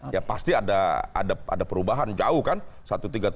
ya pasti ada perubahan jauh kan satu ratus tiga puluh tujuh ke satu ratus tujuh puluh empat